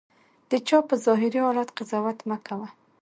د چا په ظاهري حالت قضاوت مه کوه.